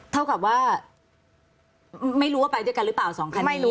เท่ากับว่าไม่รู้ว่าไปด้วยกันหรือเปล่าสองคันไม่รู้